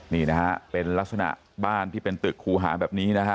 นี่นะฮะเป็นลักษณะบ้านที่เป็นตึกคูหาแบบนี้นะฮะ